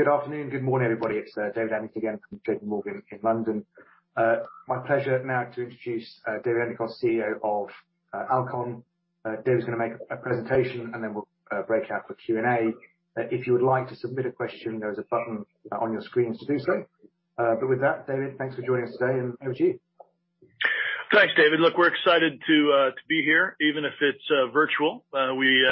Good afternoon and good morning, everybody. It's David Adlington again from J.P. Morgan in London. My pleasure now to introduce David Endicott, CEO of Alcon. David's going to make a presentation, and then we'll break out for Q&A. If you would like to submit a question, there is a button on your screens to do so. But with that, David, thanks for joining us today, and over to you. Thanks, David. Look, we're excited to be here, even if it's virtual. We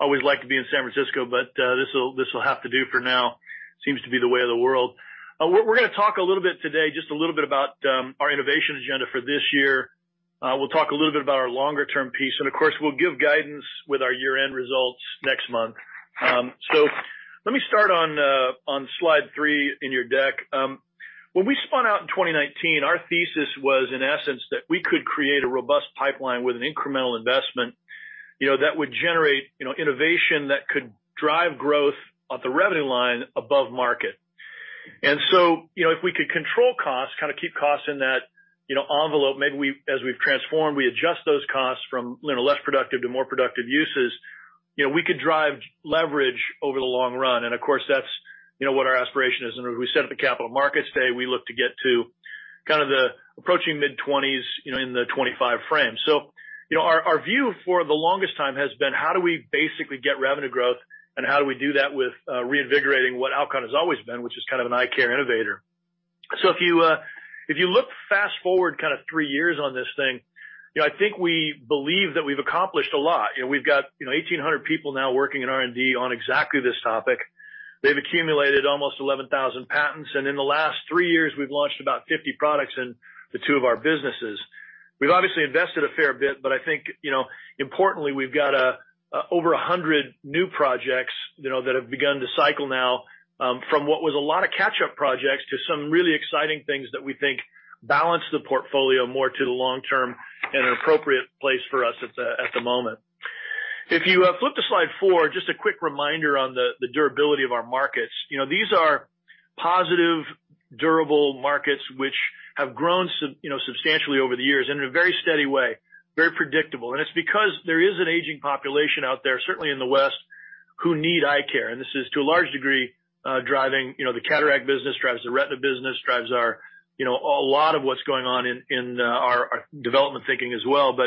always like to be in San Francisco, but this will have to do for now. Seems to be the way of the world. We're going to talk a little bit today, just a little bit about our innovation agenda for this year. We'll talk a little bit about our longer-term piece, and of course, we'll give guidance with our year-end results next month. So let me start on slide three in your deck. When we spun out in 2019, our thesis was, in essence, that we could create a robust pipeline with an incremental investment that would generate innovation that could drive growth at the revenue line above market. And so if we could control costs, kind of keep costs in that envelope, maybe as we've transformed, we adjust those costs from less productive to more productive uses, we could drive leverage over the long run. And of course, that's what our aspiration is. And as we said at the Capital Markets Day, we look to get to kind of the approaching mid-20s in the 2025 frame. So our view for the longest time has been, how do we basically get revenue growth, and how do we do that with reinvigorating what Alcon has always been, which is kind of an eye-care innovator? So if you look fast forward kind of three years on this thing, I think we believe that we've accomplished a lot. We've got 1,800 people now working in R&D on exactly this topic. They've accumulated almost 11,000 patents. In the last three years, we've launched about 50 products in the two of our businesses. We've obviously invested a fair bit, but I think importantly, we've got over 100 new projects that have begun to cycle now from what was a lot of catch-up projects to some really exciting things that we think balance the portfolio more to the long term and an appropriate place for us at the moment. If you flip to slide four, just a quick reminder on the durability of our markets. These are positive, durable markets which have grown substantially over the years in a very steady way, very predictable. It's because there is an aging population out there, certainly in the West, who need eye care. This is to a large degree driving the cataract business, drives the retina business, drives a lot of what's going on in our development thinking as well.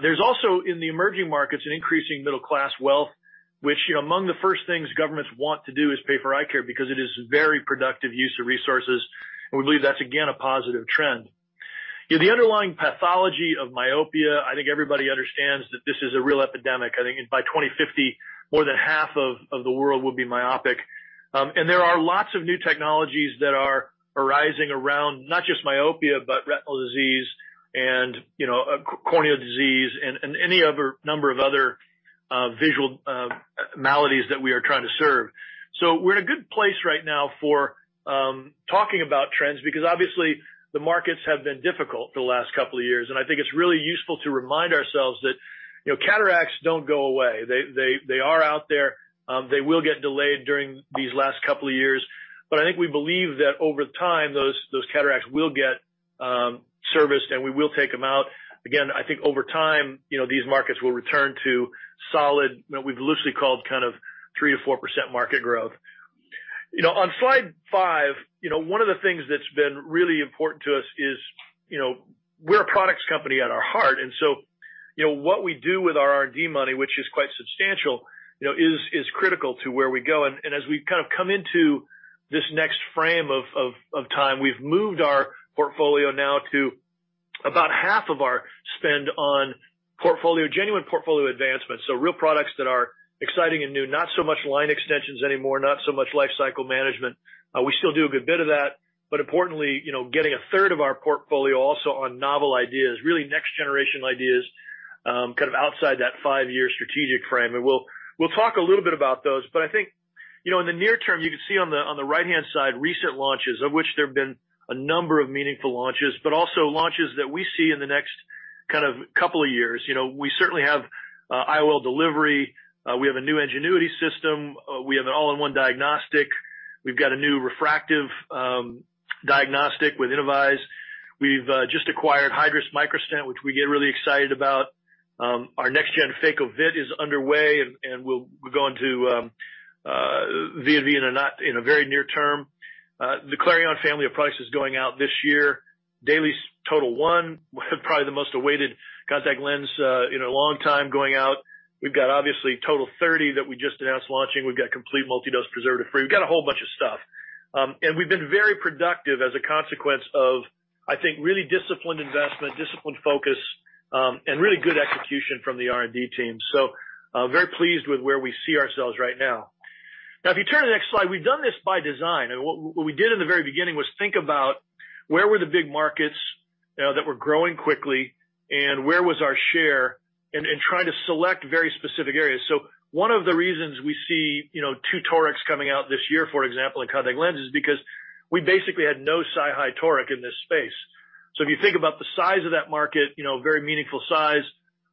There's also in the emerging markets an increasing middle-class wealth, which among the first things governments want to do is pay for eye care because it is a very productive use of resources. We believe that's, again, a positive trend. The underlying pathology of myopia, I think everybody understands that this is a real epidemic. I think by 2050, more than half of the world will be myopic. There are lots of new technologies that are arising around not just myopia, but retinal disease and corneal disease and any number of other visual maladies that we are trying to serve. So we're in a good place right now for talking about trends because obviously, the markets have been difficult for the last couple of years. And I think it's really useful to remind ourselves that cataracts don't go away. They are out there. They will get delayed during these last couple of years. But I think we believe that over time, those cataracts will get serviced, and we will take them out. Again, I think over time, these markets will return to solid what we've loosely called kind of 3%-4% market growth. On slide five, one of the things that's been really important to us is we're a products company at our heart. And so what we do with our R&D money, which is quite substantial, is critical to where we go. As we kind of come into this next frame of time, we've moved our portfolio now to about half of our spend on genuine portfolio advancements, so real products that are exciting and new, not so much line extensions anymore, not so much lifecycle management. We still do a good bit of that. Importantly, getting a third of our portfolio also on novel ideas, really next-generation ideas kind of outside that five-year strategic frame. We'll talk a little bit about those. I think in the near term, you can see on the right-hand side recent launches, of which there have been a number of meaningful launches, but also launches that we see in the next kind of couple of years. We certainly have IOL delivery. We have a new Ngenuity system. We have an all-in-one diagnostic. We've got a new refractive diagnostic with InnovEyes. We've just acquired Hydrus Microstent, which we get really excited about. Our next-gen Phacovit is underway, and we're going to VNV in a very near term. The Clareon family of products is going out this year. DAILIES TOTAL1, probably the most awaited contact lens in a long time, going out. We've got obviously TOTAL30 that we just announced launching. We've got complete multi-dose preservative-free. We've got a whole bunch of stuff, and we've been very productive as a consequence of, I think, really disciplined investment, disciplined focus, and really good execution from the R&D team, so very pleased with where we see ourselves right now. Now, if you turn to the next slide, we've done this by design. What we did in the very beginning was think about where were the big markets that were growing quickly, and where was our share, and try to select very specific areas. So one of the reasons we see two Torics coming out this year, for example, in contact lenses is because we basically had no SiHy Toric in this space. So if you think about the size of that market, very meaningful size,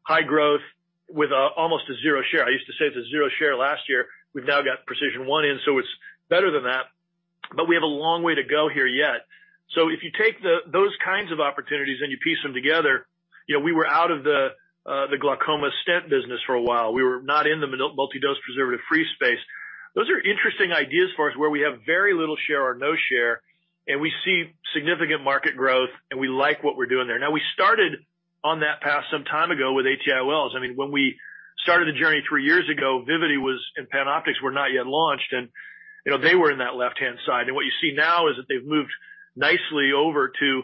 high growth with almost a zero share. I used to say it's a zero share last year. We've now got PRECISION1 in, so it's better than that. But we have a long way to go here yet. So if you take those kinds of opportunities and you piece them together, we were out of the glaucoma stent business for a while. We were not in the multi-dose preservative-free space. Those are interesting ideas for us where we have very little share or no share, and we see significant market growth, and we like what we're doing there. Now, we started on that path some time ago with ATIOLs. I mean, when we started the journey three years ago, Vivity and PanOptix were not yet launched, and they were in that left-hand side. And what you see now is that they've moved nicely over to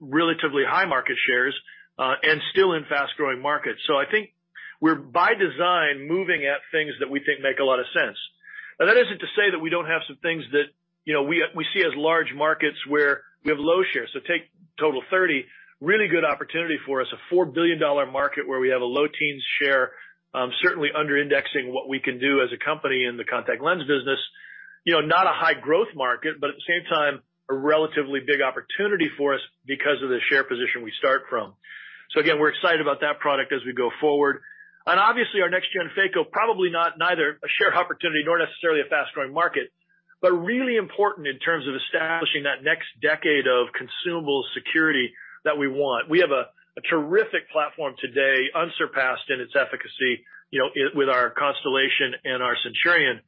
relatively high market shares and still in fast-growing markets. So I think we're by design moving at things that we think make a lot of sense. Now, that isn't to say that we don't have some things that we see as large markets where we have low shares. Take TOTAL30, really good opportunity for us, a $4 billion market where we have a low teens share, certainly under-indexing what we can do as a company in the contact lens business. Not a high-growth market, but at the same time, a relatively big opportunity for us because of the share position we start from. Again, we're excited about that product as we go forward. Obviously, our next-gen Phaco probably not neither a share opportunity nor necessarily a fast-growing market, but really important in terms of establishing that next decade of consumable security that we want. We have a terrific platform today, unsurpassed in its efficacy with our CONSTELLATION and our CENTURION.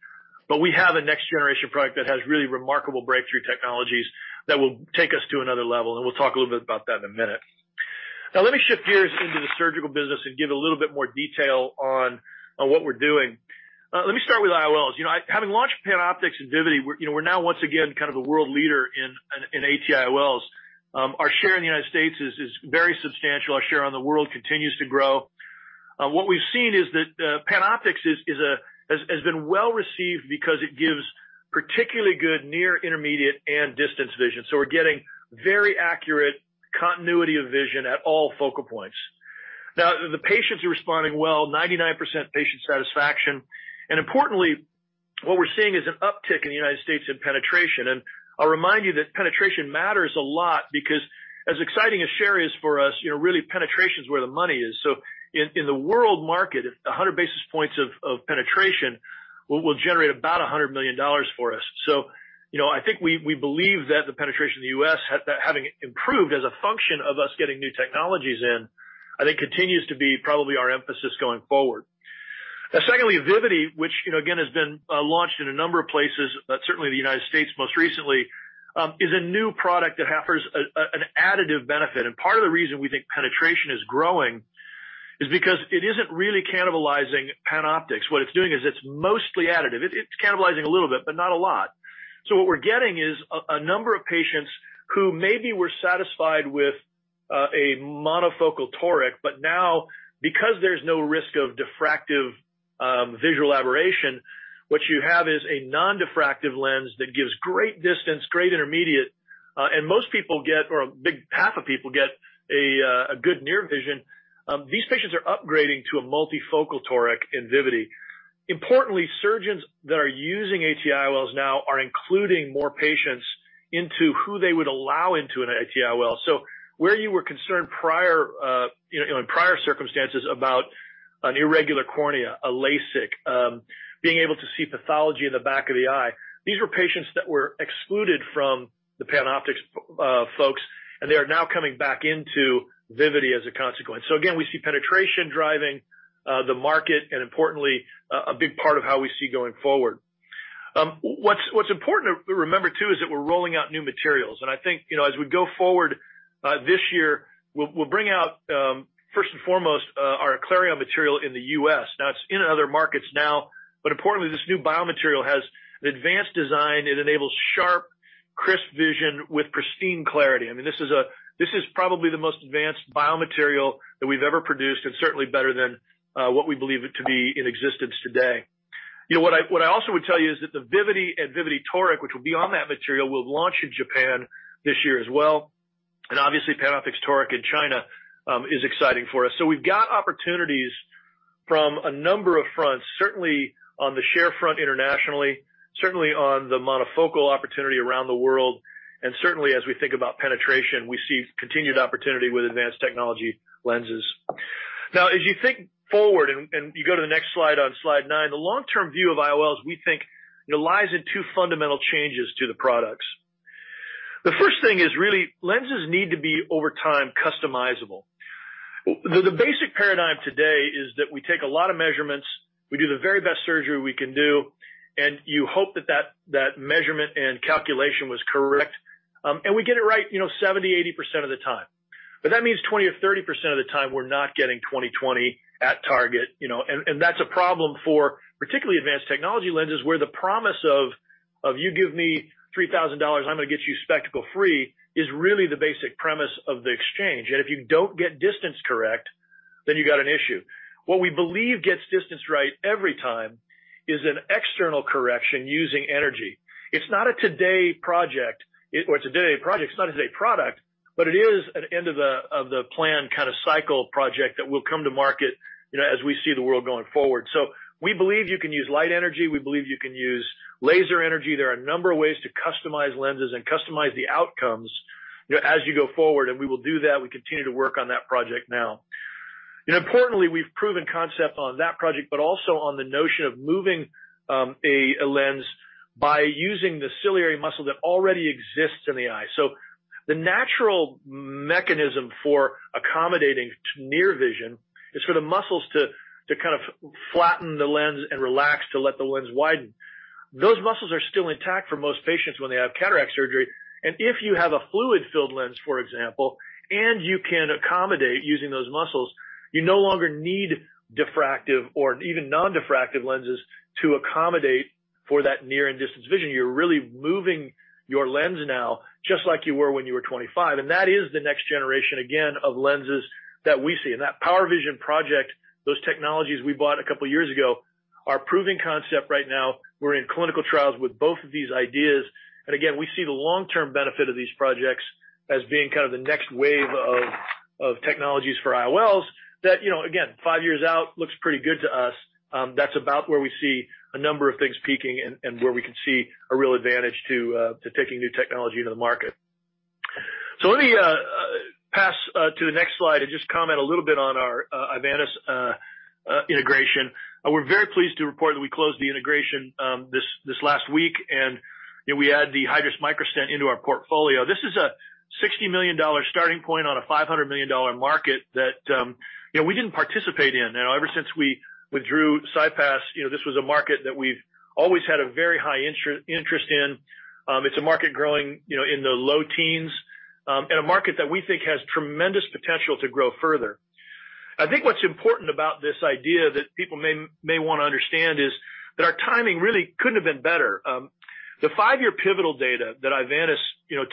We have a next-generation product that has really remarkable breakthrough technologies that will take us to another level. We'll talk a little bit about that in a minute. Now, let me shift gears into the surgical business and give a little bit more detail on what we're doing. Let me start with IOLs. Having launched PanOptix and Vivity, we're now once again kind of the world leader in ATIOLs. Our share in the United States is very substantial. Our share on the world continues to grow. What we've seen is that PanOptix has been well received because it gives particularly good near-intermediate and distance vision. So we're getting very accurate continuity of vision at all focal points. Now, the patients are responding well, 99% patient satisfaction. And importantly, what we're seeing is an uptick in the United States in penetration. And I'll remind you that penetration matters a lot because as exciting as share is for us, really penetration is where the money is. So in the world market, 100 basis points of penetration will generate about $100 million for us. So I think we believe that the penetration in the U.S., having improved as a function of us getting new technologies in, I think continues to be probably our emphasis going forward. Now, secondly, Vivity, which again has been launched in a number of places, but certainly the United States most recently, is a new product that offers an additive benefit. And part of the reason we think penetration is growing is because it isn't really cannibalizing PanOptix. What it's doing is it's mostly additive. It's cannibalizing a little bit, but not a lot. So what we're getting is a number of patients who maybe were satisfied with a monofocal Toric, but now, because there's no risk of diffractive visual aberration, what you have is a non-diffractive lens that gives great distance, great intermediate, and most people get, or a big batch of people get a good near vision. These patients are upgrading to a multifocal Toric in Vivity. Importantly, surgeons that are using ATIOLs now are including more patients into who they would allow into an ATIOL. So where you were concerned prior in prior circumstances about an irregular cornea, a LASIK, being able to see pathology in the back of the eye, these were patients that were excluded from the PanOptix folks, and they are now coming back into Vivity as a consequence. So again, we see penetration driving the market and importantly, a big part of how we see going forward. What's important to remember too is that we're rolling out new materials, and I think as we go forward this year, we'll bring out first and foremost our Clareon material in the U.S. Now, it's in other markets now, but importantly, this new biomaterial has an advanced design. It enables sharp, crisp vision with pristine clarity. I mean, this is probably the most advanced biomaterial that we've ever produced and certainly better than what we believe to be in existence today. What I also would tell you is that the Vivity and Vivity Toric, which will be on that material, will launch in Japan this year as well, and obviously, PanOptix Toric in China is exciting for us, so we've got opportunities from a number of fronts, certainly on the share front internationally, certainly on the monofocal opportunity around the world. Certainly, as we think about penetration, we see continued opportunity with advanced technology lenses. Now, as you think forward and you go to the next slide on slide nine, the long-term view of IOLs we think lies in two fundamental changes to the products. The first thing is really lenses need to be over time customizable. The basic paradigm today is that we take a lot of measurements, we do the very best surgery we can do, and you hope that that measurement and calculation was correct, and we get it right 70%, 80% of the time. That means 20% or 30% of the time we're not getting 20/20 at target. That's a problem for particularly advanced technology lenses where the promise of, "You give me $3,000, I'm going to get you spectacle-free," is really the basic premise of the exchange. If you don't get distance correct, then you've got an issue. What we believe gets distance right every time is an external correction using energy. It's not a today project. It's not a today product, but it is an end-of-the-plan kind of cycle project that will come to market as we see the world going forward. So we believe you can use light energy. We believe you can use laser energy. There are a number of ways to customize lenses and customize the outcomes as you go forward. And we will do that. We continue to work on that project now. Importantly, we've proven concept on that project, but also on the notion of moving a lens by using the ciliary muscle that already exists in the eye. The natural mechanism for accommodating near vision is for the muscles to kind of flatten the lens and relax to let the lens widen. Those muscles are still intact for most patients when they have cataract surgery. If you have a fluid-filled lens, for example, and you can accommodate using those muscles, you no longer need diffractive or even non-diffractive lenses to accommodate for that near and distance vision. You're really moving your lens now just like you were when you were 25. That is the next generation, again, of lenses that we see. That PowerVision project, those technologies we bought a couple of years ago, are proving concept right now. We're in clinical trials with both of these ideas. And again, we see the long-term benefit of these projects as being kind of the next wave of technologies for IOLs that, again, five years out looks pretty good to us. That's about where we see a number of things peaking and where we can see a real advantage to taking new technology into the market. So let me pass to the next slide and just comment a little bit on our Ivantis integration. We're very pleased to report that we closed the integration this last week, and we add the Hydrus Microstent into our portfolio. This is a $60 million starting point on a $500 million market that we didn't participate in. Ever since we withdrew CyPass, this was a market that we've always had a very high interest in. It's a market growing in the low teens and a market that we think has tremendous potential to grow further. I think what's important about this idea that people may want to understand is that our timing really couldn't have been better. The five-year pivotal data that Ivantis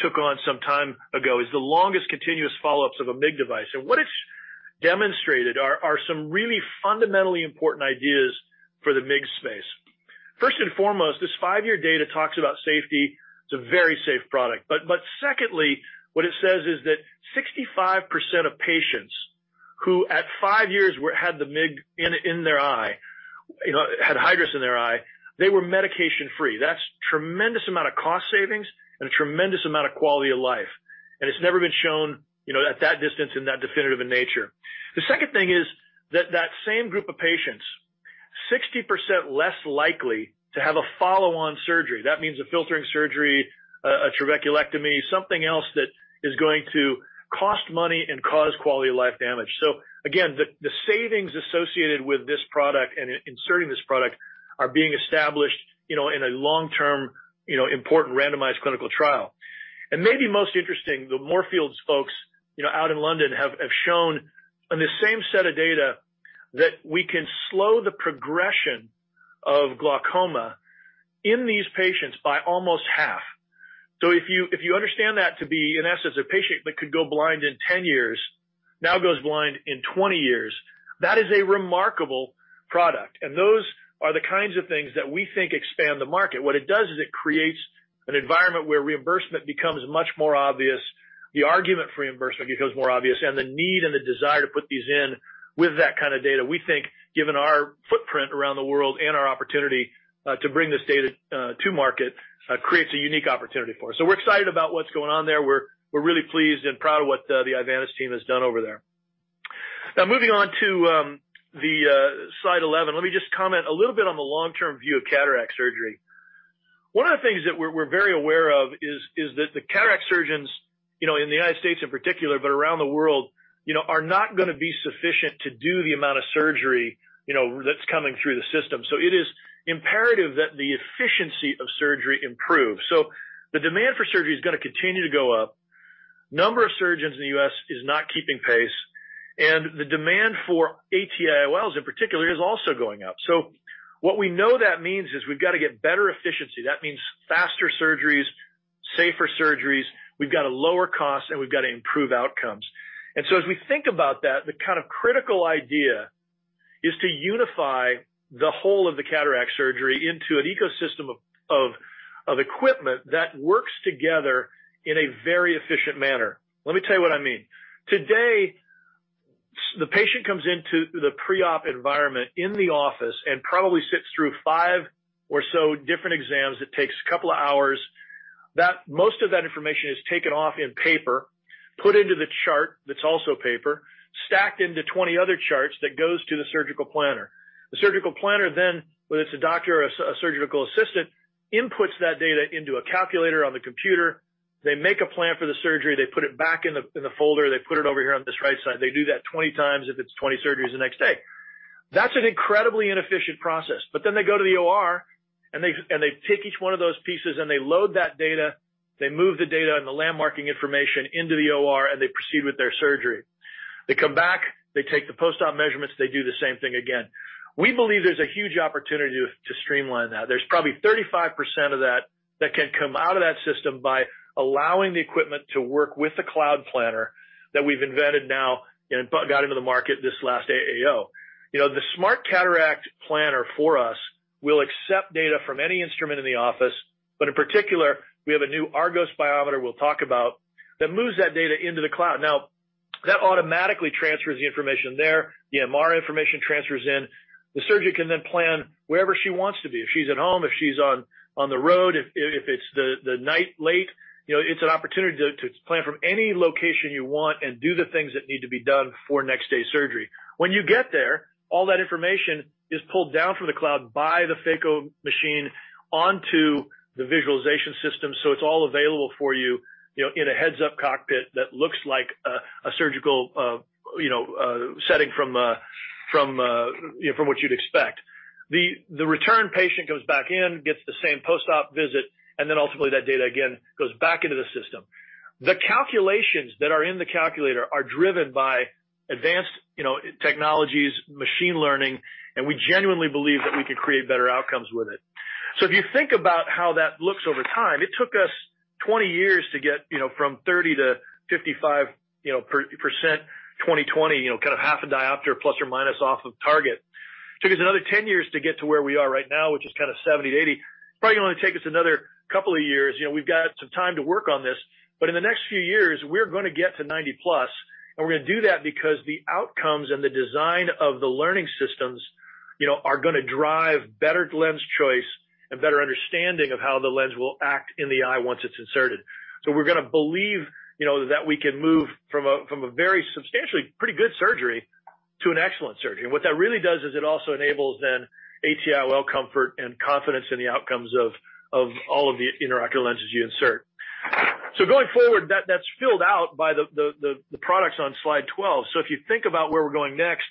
took on some time ago is the longest continuous follow-ups of a MIGS device. What it's demonstrated are some really fundamentally important ideas for the MIGS space. First and foremost, this five-year data talks about safety. It's a very safe product. Secondly, what it says is that 65% of patients who at five years had the MIGS in their eye, had Hydrus in their eye, they were medication-free. That's a tremendous amount of cost savings and a tremendous amount of quality of life. It's never been shown at that distance in that definitive nature. The second thing is that same group of patients, 60% less likely to have a follow-on surgery. That means a filtering surgery, a trabeculectomy, something else that is going to cost money and cause quality of life damage. So again, the savings associated with this product and inserting this product are being established in a long-term important randomized clinical trial. And maybe most interesting, the Moorfields folks out in London have shown on the same set of data that we can slow the progression of glaucoma in these patients by almost half. So if you understand that to be, in essence, a patient that could go blind in 10 years, now goes blind in 20 years, that is a remarkable product. And those are the kinds of things that we think expand the market. What it does is it creates an environment where reimbursement becomes much more obvious. The argument for reimbursement becomes more obvious, and the need and the desire to put these in with that kind of data, we think, given our footprint around the world and our opportunity to bring this data to market, creates a unique opportunity for us. So we're excited about what's going on there. We're really pleased and proud of what the Ivantis team has done over there. Now, moving on to the slide 11, let me just comment a little bit on the long-term view of cataract surgery. One of the things that we're very aware of is that the cataract surgeons in the United States in particular, but around the world, are not going to be sufficient to do the amount of surgery that's coming through the system. So it is imperative that the efficiency of surgery improves. So the demand for surgery is going to continue to go up. The number of surgeons in the U.S. is not keeping pace. And the demand for ATIOLs in particular is also going up. So what we know that means is we've got to get better efficiency. That means faster surgeries, safer surgeries. We've got to lower costs, and we've got to improve outcomes. And so as we think about that, the kind of critical idea is to unify the whole of the cataract surgery into an ecosystem of equipment that works together in a very efficient manner. Let me tell you what I mean. Today, the patient comes into the pre-op environment in the office and probably sits through five or so different exams that take a couple of hours. Most of that information is taken on paper, put into the chart that's also paper, stacked into 20 other charts that goes to the surgical planner. The surgical planner then, whether it's a doctor or a surgical assistant, inputs that data into a calculator on the computer. They make a plan for the surgery. They put it back in the folder. They put it over here on this right side. They do that 20 times if it's 20 surgeries the next day. That's an incredibly inefficient process, but then they go to the OR, and they pick each one of those pieces, and they load that data. They move the data and the landmarking information into the OR, and they proceed with their surgery. They come back. They take the post-op measurements. They do the same thing again. We believe there's a huge opportunity to streamline that. There's probably 35% of that that can come out of that system by allowing the equipment to work with the cloud planner that we've invented now and got into the market this last AAO. The Smart Cataract planner for us will accept data from any instrument in the office, but in particular, we have a new ARGOS Biometer we'll talk about that moves that data into the cloud. Now, that automatically transfers the information there. The EMR information transfers in. The surgeon can then plan wherever she wants to be, if she's at home, if she's on the road, if it's late at night. It's an opportunity to plan from any location you want and do the things that need to be done for next-day surgery. When you get there, all that information is pulled down from the cloud by the phaco machine onto the visualization system. So it's all available for you in a heads-up cockpit that looks like a surgical setting from what you'd expect. The return patient comes back in, gets the same post-op visit, and then ultimately that data again goes back into the system. The calculations that are in the calculator are driven by advanced technologies, machine learning, and we genuinely believe that we can create better outcomes with it. So if you think about how that looks over time, it took us 20 years to get from 30%-55%, 20/20, kind of half a diopter plus or minus off of target. It took us another 10 years to get to where we are right now, which is kind of 70%-80%. It's probably going to take us another couple of years. We've got some time to work on this. But in the next few years, we're going to get to 90+. And we're going to do that because the outcomes and the design of the learning systems are going to drive better lens choice and better understanding of how the lens will act in the eye once it's inserted. So we're going to believe that we can move from a very substantially pretty good surgery to an excellent surgery. And what that really does is it also enables then ATIOL comfort and confidence in the outcomes of all of the intraocular lenses you insert. So going forward, that's filled out by the products on slide 12. So if you think about where we're going next,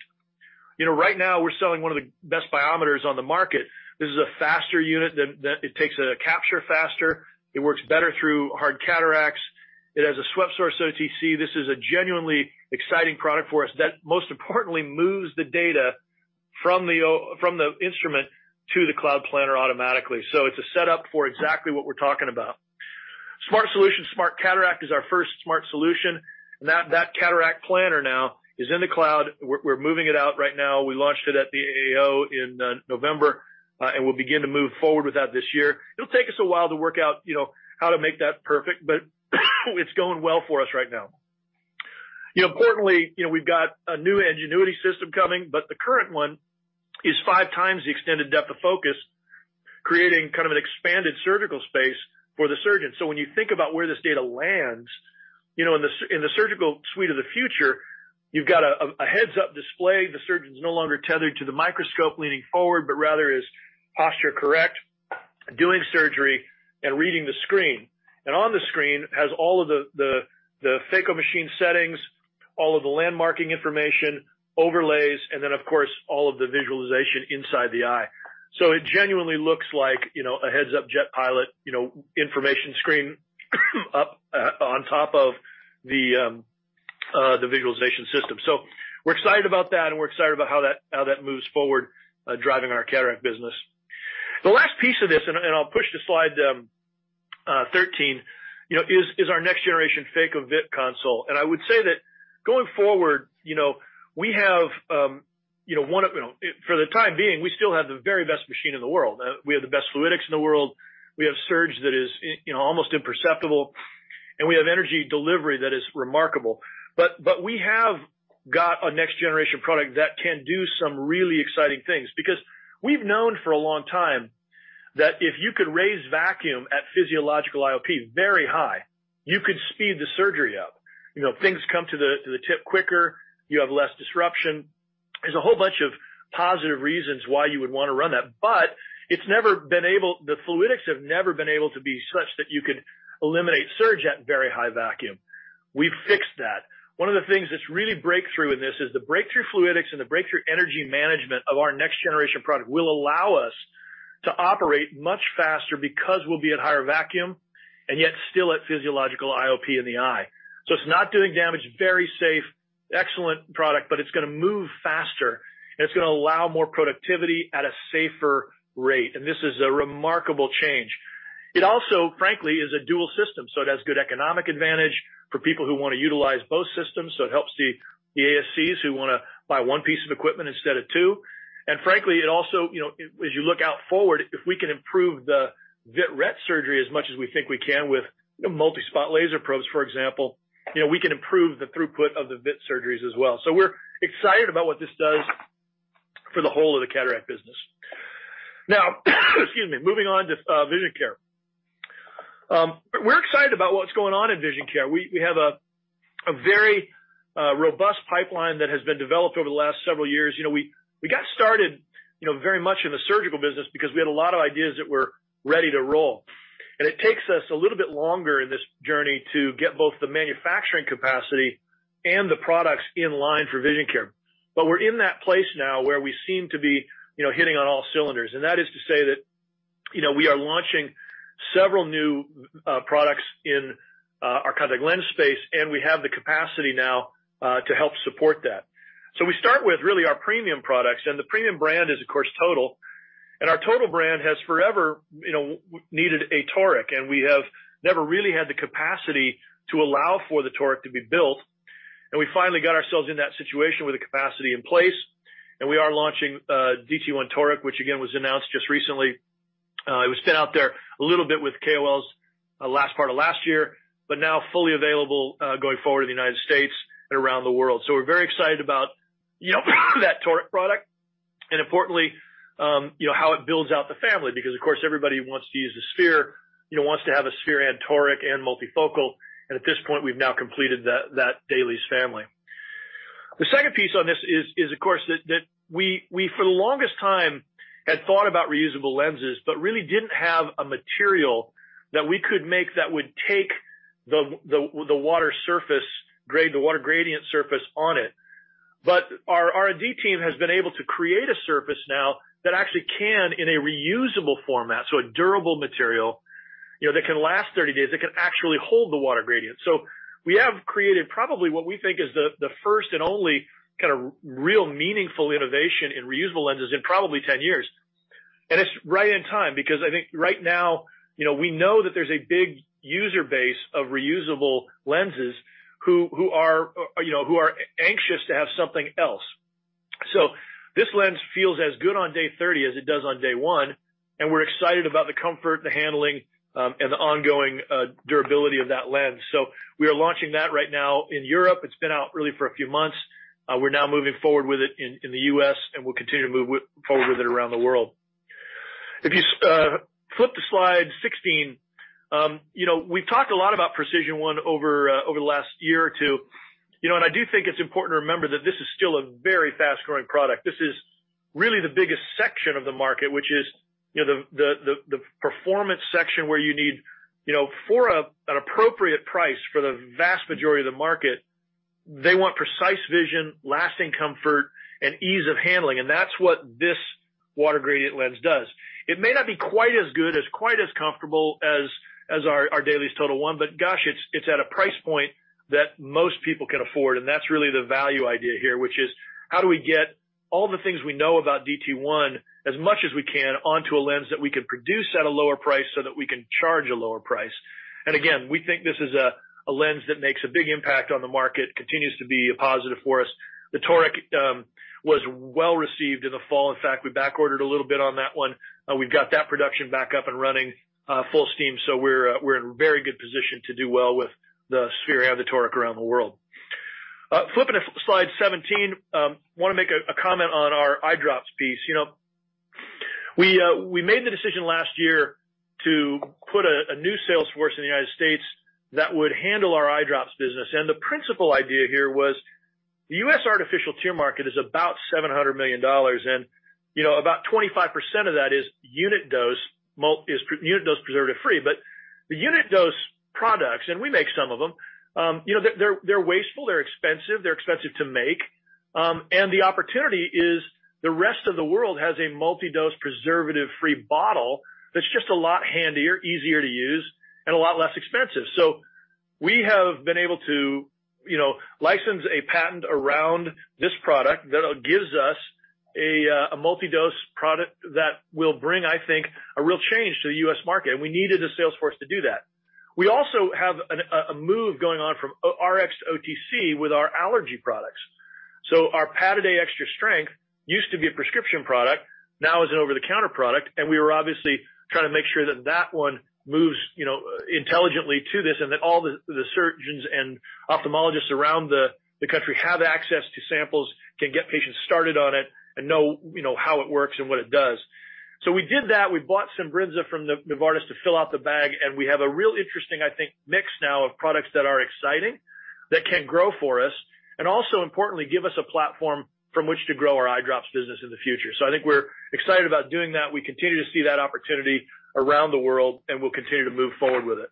right now we're selling one of the best biometers on the market. This is a faster unit. It takes a capture faster. It works better through hard cataracts. It has a swept source OCT. This is a genuinely exciting product for us that most importantly moves the data from the instrument to the cloud planner automatically. So it's a setup for exactly what we're talking about. Smart Solutions. Smart Cataract is our first smart solution, and that cataract planner now is in the cloud. We're moving it out right now. We launched it at the AAO in November, and we'll begin to move forward with that this year. It'll take us a while to work out how to make that perfect, but it's going well for us right now. Importantly, we've got a new Ngenuity system coming, but the current one is five times the extended depth of focus, creating kind of an expanded surgical space for the surgeon. When you think about where this data lands in the surgical suite of the future, you've got a heads-up display. The surgeon's no longer tethered to the microscope leaning forward, but rather is posture correct, doing surgery, and reading the screen. And on the screen has all of the phaco machine settings, all of the landmarking information, overlays, and then, of course, all of the visualization inside the eye. So it genuinely looks like a heads-up jet pilot information screen up on top of the visualization system. So we're excited about that, and we're excited about how that moves forward, driving our cataract business. The last piece of this, and I'll push to slide 13, is our next generation phaco vit console. And I would say that going forward, we have one, for the time being, we still have the very best machine in the world. We have the best fluidics in the world. We have surge that is almost imperceptible. And we have energy delivery that is remarkable. But we have got a next generation product that can do some really exciting things because we've known for a long time that if you could raise vacuum at physiological IOP very high, you could speed the surgery up. Things come to the tip quicker. You have less disruption. There's a whole bunch of positive reasons why you would want to run that. But it's never been able. The fluidics have never been able to be such that you could eliminate surge at very high vacuum. We've fixed that. One of the things that's really breakthrough in this is the breakthrough fluidics and the breakthrough energy management of our next generation product will allow us to operate much faster because we'll be at higher vacuum and yet still at physiological IOP in the eye, so it's not doing damage. Very safe, excellent product, but it's going to move faster, and it's going to allow more productivity at a safer rate, and this is a remarkable change. It also, frankly, is a dual system, so it has good economic advantage for people who want to utilize both systems, so it helps the ASCs who want to buy one piece of equipment instead of two. And frankly, it also, as you look out forward, if we can improve the vitreoretinal surgery as much as we think we can with multi-spot laser probes, for example, we can improve the throughput of the vitreoretinal surgeries as well. So we're excited about what this does for the whole of the cataract business. Now, excuse me, moving on to vision care. We're excited about what's going on in vision care. We have a very robust pipeline that has been developed over the last several years. We got started very much in the surgical business because we had a lot of ideas that were ready to roll. And it takes us a little bit longer in this journey to get both the manufacturing capacity and the products in line for vision care. But we're in that place now where we seem to be hitting on all cylinders. That is to say that we are launching several new products in our contact lens space, and we have the capacity now to help support that, so we start with really our premium products, and the premium brand is, of course, TOTAL, and our TOTAL brand has forever needed a Toric, and we have never really had the capacity to allow for the Toric to be built, and we finally got ourselves in that situation with the capacity in place, and we are launching DT1 Toric, which again was announced just recently. It was put out there a little bit with KOLs last part of last year, but now fully available going forward in the United States and around the world. So we're very excited about that Toric product and, importantly, how it builds out the family because, of course, everybody wants to use the Sphere, wants to have a Sphere and Toric and multifocal. And at this point, we've now completed that DAILIES family. The second piece on this is, of course, that we, for the longest time, had thought about reusable lenses, but really didn't have a material that we could make that would take the water surface, the water gradient surface on it. But our R&D team has been able to create a surface now that actually can in a reusable format, so a durable material that can last 30 days, that can actually hold the water gradient. So we have created probably what we think is the first and only kind of real meaningful innovation in reusable lenses in probably 10 years. And it's right in time because I think right now we know that there's a big user base of reusable lenses who are anxious to have something else. So this lens feels as good on day 30 as it does on day one. And we're excited about the comfort, the handling, and the ongoing durability of that lens. So we are launching that right now in Europe. It's been out really for a few months. We're now moving forward with it in the U.S., and we'll continue to move forward with it around the world. If you flip to slide 16, we've talked a lot about Precision One over the last year or two. And I do think it's important to remember that this is still a very fast-growing product. This is really the biggest section of the market, which is the performance section where you need, for an appropriate price for the vast majority of the market, they want precise vision, lasting comfort, and ease of handling. And that's what this water gradient lens does. It may not be quite as good, as quite as comfortable as our DAILIES TOTAL1, but gosh, it's at a price point that most people can afford. And that's really the value idea here, which is how do we get all the things we know about DT1 as much as we can onto a lens that we can produce at a lower price so that we can charge a lower price. And again, we think this is a lens that makes a big impact on the market, continues to be a positive for us. The Toric was well received in the fall. In fact, we backordered a little bit on that one. We've got that production back up and running full steam. So we're in very good position to do well with the Sphere and the Toric around the world. Flipping to slide 17, I want to make a comment on our eye drops piece. We made the decision last year to put a new sales force in the United States that would handle our eye drops business. And the principal idea here was the U.S. artificial tear market is about $700 million, and about 25% of that is unit dose preservative-free. But the unit dose products, and we make some of them, they're wasteful. They're expensive. They're expensive to make. And the opportunity is the rest of the world has a multi-dose preservative-free bottle that's just a lot handier, easier to use, and a lot less expensive. So we have been able to license a patent around this product that gives us a multi-dose product that will bring, I think, a real change to the U.S. market. And we needed a sales force to do that. We also have a move going on from RxOTC with our allergy products. So our Pataday Extra Strength used to be a prescription product. Now it's an over-the-counter product. And we were obviously trying to make sure that that one moves intelligently to this and that all the surgeons and ophthalmologists around the country have access to samples, can get patients started on it, and know how it works and what it does. So we did that. We bought some Brinza from Novartis to fill out the bag. And we have a real interesting, I think, mix now of products that are exciting that can grow for us and also, importantly, give us a platform from which to grow our eye drops business in the future. So I think we're excited about doing that. We continue to see that opportunity around the world, and we'll continue to move forward with it.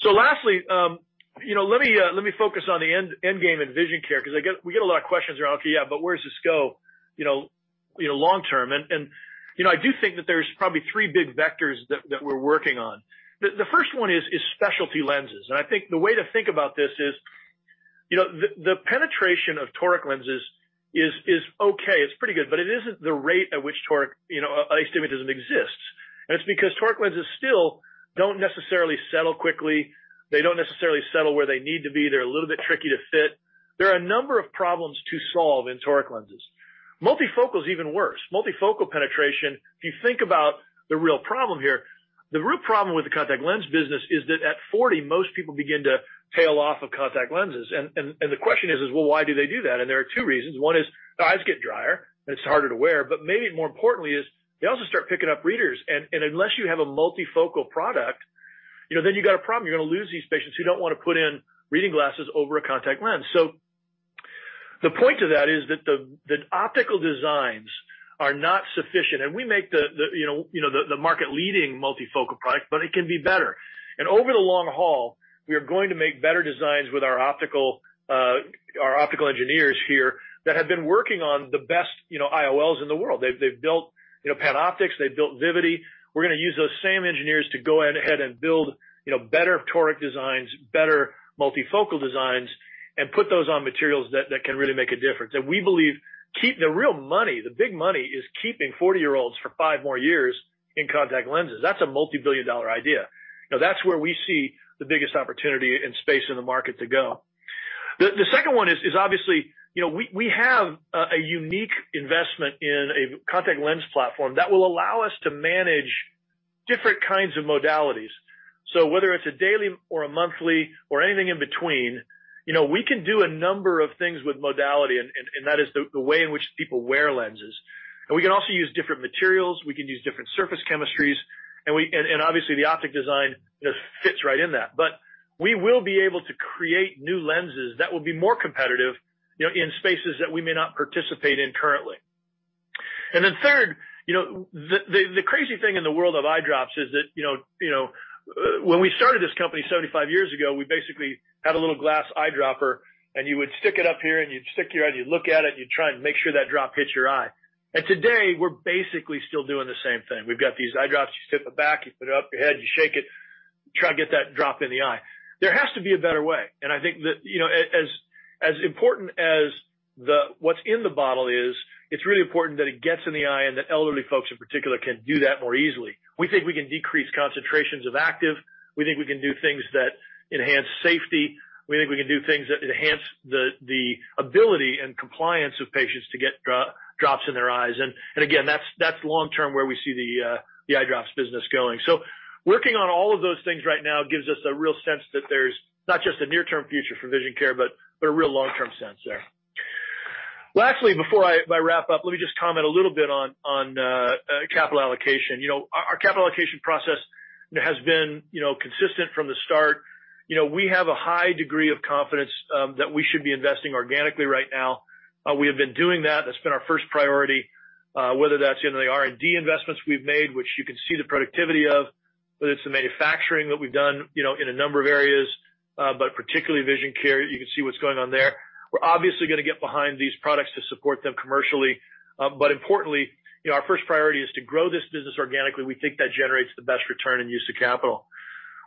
So lastly, let me focus on the end game in vision care because we get a lot of questions around, "Okay, yeah, but where does this go long term?" And I do think that there's probably three big vectors that we're working on. The first one is specialty lenses. And I think the way to think about this is the penetration of Toric lenses is okay. It's pretty good, but it isn't the rate at which astigmatism exists. It's because Toric lenses still don't necessarily settle quickly. They don't necessarily settle where they need to be. They're a little bit tricky to fit. There are a number of problems to solve in Toric lenses. Multifocal is even worse. Multifocal penetration, if you think about the real problem here, the real problem with the contact lens business is that at 40, most people begin to tail off of contact lenses. The question is, "Well, why do they do that?" There are two reasons. One is eyes get drier, and it's harder to wear. Maybe more importantly is they also start picking up readers. Unless you have a multifocal product, then you've got a problem. You're going to lose these patients who don't want to put in reading glasses over a contact lens. The point of that is that the optical designs are not sufficient. We make the market-leading multifocal product, but it can be better. Over the long haul, we are going to make better designs with our optical engineers here that have been working on the best IOLs in the world. They've built PanOptix. They've built Vivity. We're going to use those same engineers to go ahead and build better Toric designs, better multifocal designs, and put those on materials that can really make a difference. We believe the real money, the big money, is keeping 40-year-olds for five more years in contact lenses. That's a multi-billion dollar idea. That's where we see the biggest opportunity and space in the market to go. The second one is obviously we have a unique investment in a contact lens platform that will allow us to manage different kinds of modalities. So whether it's a daily or a monthly or anything in between, we can do a number of things with modality, and that is the way in which people wear lenses. And we can also use different materials. We can use different surface chemistries. And obviously, the optic design fits right in that. But we will be able to create new lenses that will be more competitive in spaces that we may not participate in currently. And then, third, the crazy thing in the world of eye drops is that when we started this company 75 years ago, we basically had a little glass eye dropper, and you would stick it up here, and you'd stick your eye, and you'd look at it, and you'd try and make sure that drop hits your eye. And today, we're basically still doing the same thing. We've got these eye drops. You sit in the back. You put it up your head. You shake it. Try to get that drop in the eye. There has to be a better way. And I think that as important as what's in the bottle is, it's really important that it gets in the eye and that elderly folks in particular can do that more easily. We think we can decrease concentrations of active. We think we can do things that enhance safety. We think we can do things that enhance the ability and compliance of patients to get drops in their eyes. And again, that's long term where we see the eye drops business going. So working on all of those things right now gives us a real sense that there's not just a near-term future for vision care, but a real long-term sense there. Lastly, before I wrap up, let me just comment a little bit on capital allocation. Our capital allocation process has been consistent from the start. We have a high degree of confidence that we should be investing organically right now. We have been doing that. That's been our first priority, whether that's in the R&D investments we've made, which you can see the productivity of, whether it's the manufacturing that we've done in a number of areas, but particularly vision care. You can see what's going on there. We're obviously going to get behind these products to support them commercially, but importantly, our first priority is to grow this business organically. We think that generates the best return and use of capital.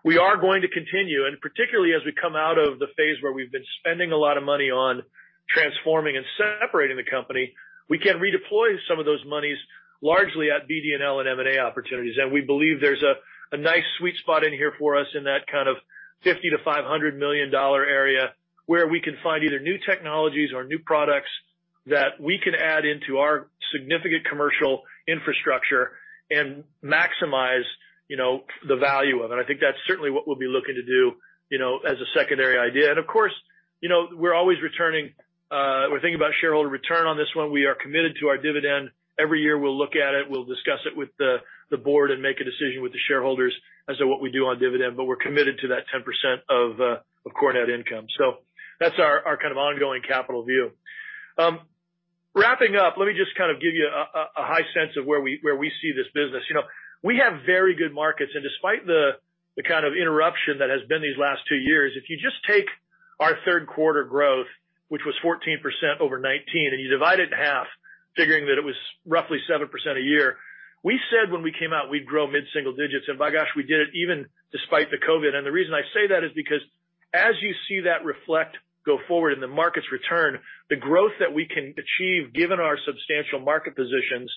We are going to continue, and particularly as we come out of the phase where we've been spending a lot of money on transforming and separating the company, we can redeploy some of those moneys largely at BDNL and M&A opportunities. And we believe there's a nice sweet spot in here for us in that kind of $50-$500 million area where we can find either new technologies or new products that we can add into our significant commercial infrastructure and maximize the value of it, and I think that's certainly what we'll be looking to do as a secondary idea, and of course, we're always returning. We're thinking about shareholder return on this one. We are committed to our dividend. Every year, we'll look at it. We'll discuss it with the board and make a decision with the shareholders as to what we do on dividend. But we're committed to that 10% of core net income. So that's our kind of ongoing capital view. Wrapping up, let me just kind of give you a high sense of where we see this business. We have very good markets. And despite the kind of interruption that has been these last two years, if you just take our third quarter growth, which was 14% over 2019, and you divide it in half, figuring that it was roughly 7% a year, we said when we came out we'd grow mid-single digits. And by gosh, we did it even despite the COVID. And the reason I say that is because as you see, that reflects going forward in the market's return, the growth that we can achieve, given our substantial market positions,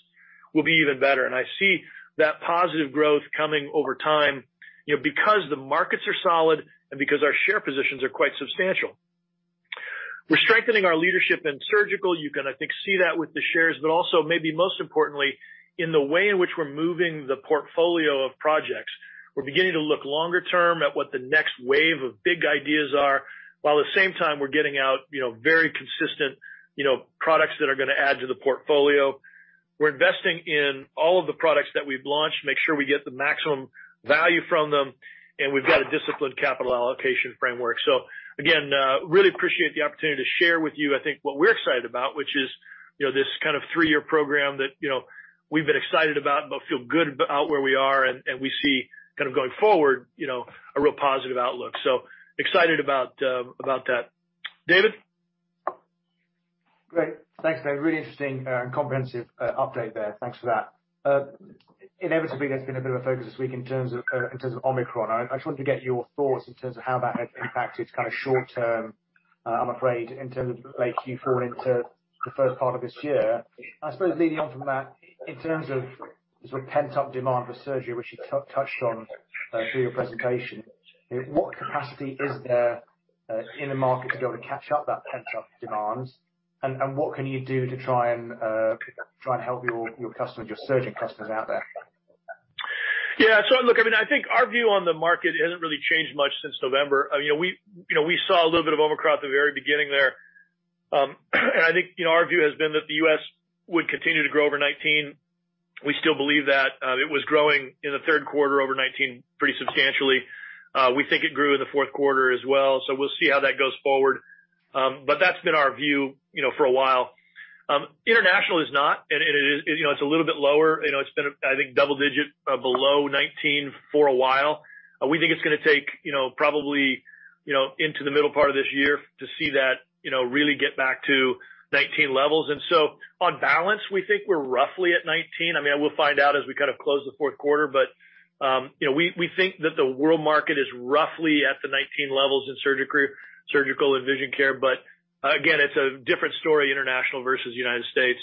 will be even better. And I see that positive growth coming over time because the markets are solid and because our share positions are quite substantial. We're strengthening our leadership in surgical. You can, I think, see that with the shares. But also, maybe most importantly, in the way in which we're moving the portfolio of projects. We're beginning to look longer term at what the next wave of big ideas are, while at the same time, we're getting out very consistent products that are going to add to the portfolio. We're investing in all of the products that we've launched to make sure we get the maximum value from them. And we've got a disciplined capital allocation framework. So again, really appreciate the opportunity to share with you, I think, what we're excited about, which is this kind of three-year program that we've been excited about, but feel good about where we are. And we see kind of going forward a real positive outlook. So excited about that. David? Great. Thanks, Dave. Really interesting and comprehensive update there. Thanks for that. Inevitably, there's been a bit of a focus this week in terms of Omicron. I just wanted to get your thoughts in terms of how that has impacted kind of short term, I'm afraid, in terms of late Q4 into the first part of this year. I suppose leading on from that, in terms of sort of pent-up demand for surgery, which you touched on through your presentation, what capacity is there in the market to be able to catch up that pent-up demand? What can you do to try and help your customers, your surgery customers out there? Yeah, so look, I mean, I think our view on the market hasn't really changed much since November. I mean, we saw a little bit of Omicron at the very beginning there, and I think our view has been that the U.S. would continue to grow over 2019. We still believe that it was growing in the third quarter over 2019 pretty substantially. We think it grew in the fourth quarter as well, so we'll see how that goes forward. But that's been our view for a while. International is not, and it's a little bit lower. It's been, I think, double-digit below 2019 for a while. We think it's going to take probably into the middle part of this year to see that really get back to 2019 levels, and so on balance, we think we're roughly at 2019. I mean, we'll find out as we kind of close the fourth quarter. But we think that the world market is roughly at the 2019 levels in surgical and vision care. But again, it's a different story, international versus United States.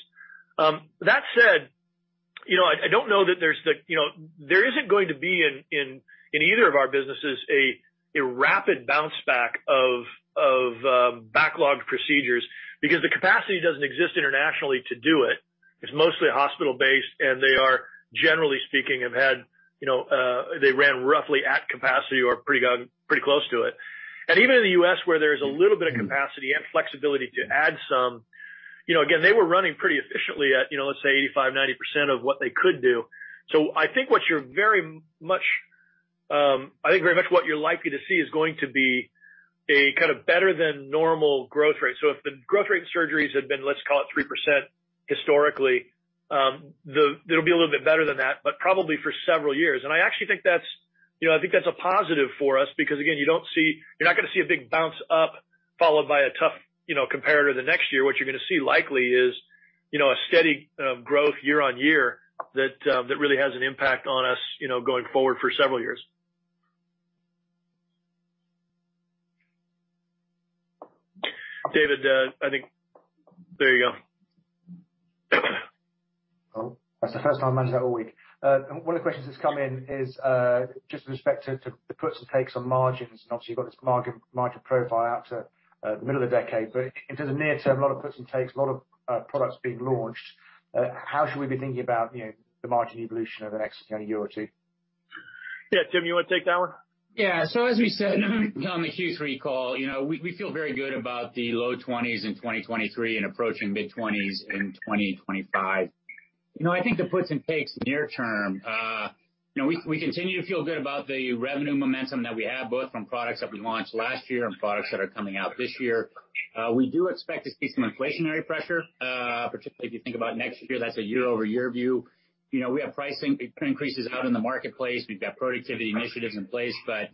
That said, I don't know that there isn't going to be in either of our businesses a rapid bounce back of backlogged procedures because the capacity doesn't exist internationally to do it. It's mostly hospital-based. And they are, generally speaking, have had. They ran roughly at capacity or pretty close to it. And even in the U.S., where there is a little bit of capacity and flexibility to add some, again, they were running pretty efficiently at, let's say, 85%-90% of what they could do. I think what you're very much likely to see is going to be a kind of better than normal growth rate. So if the growth rate in surgeries had been, let's call it 3% historically, it'll be a little bit better than that, but probably for several years. I actually think that's a positive for us because, again, you don't see. You're not going to see a big bounce up followed by a tough comparator the next year. What you're going to see likely is a steady growth year on year that really has an impact on us going forward for several years. David, I think there you go. That's the first time I've managed that all week. One of the questions that's come in is just with respect to the puts and takes on margins, and obviously, you've got this margin profile out to the middle of the decade, but in terms of near term, a lot of puts and takes, a lot of products being launched, how should we be thinking about the margin evolution over the next year or two? Yeah. Tim, you want to take that one? Yeah. So as we said on the Q3 call, we feel very good about the low 20s in 2023 and approaching mid-20s in 2025. I think the puts and takes near term, we continue to feel good about the revenue momentum that we have, both from products that we launched last year and products that are coming out this year. We do expect to see some inflationary pressure, particularly if you think about next year. That's a year-over-year view. We have pricing increases out in the marketplace. We've got productivity initiatives in place. But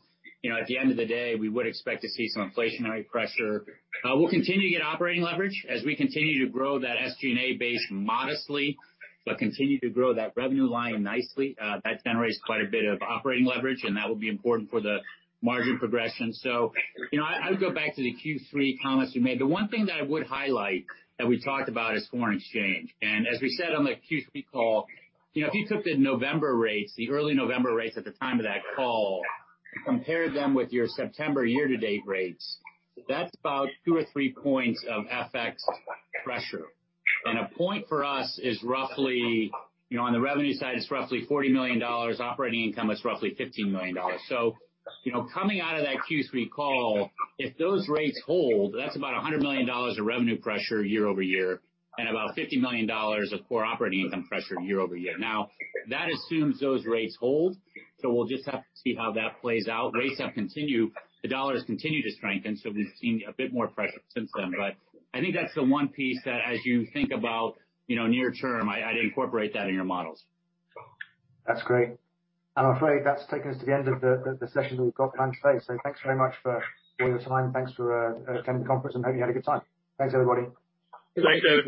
at the end of the day, we would expect to see some inflationary pressure. We'll continue to get operating leverage as we continue to grow that SG&A base modestly, but continue to grow that revenue line nicely. That generates quite a bit of operating leverage, and that will be important for the margin progression. So I would go back to the Q3 comments we made. The one thing that I would highlight that we talked about is foreign exchange. And as we said on the Q3 call, if you took the November rates, the early November rates at the time of that call, compared them with your September year-to-date rates, that's about two or three points of FX pressure. And a point for us is roughly on the revenue side, it's roughly $40 million. Operating income is roughly $15 million. So coming out of that Q3 call, if those rates hold, that's about $100 million of revenue pressure year over year and about $50 million of core operating income pressure year over year. Now, that assumes those rates hold. So we'll just have to see how that plays out. Rates have continued. The dollar has continued to strengthen. So we've seen a bit more pressure since then. But I think that's the one piece that, as you think about near term, I'd incorporate that in your models. That's great. I'm afraid that's taken us to the end of the session that we've got planned today. So thanks very much for your time. Thanks for attending the conference. And hope you had a good time. Thanks, everybody. Thank you.